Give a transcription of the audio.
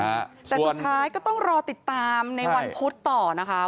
แต่สุดท้ายก็ต้องรอติดตามในวันพุธต่อนะคะ